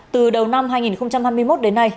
từ đầu năm hai nghìn hai mươi một đến nay